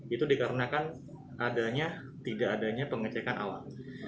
itu dikarenakan adanya tidak adanya pengecekan awal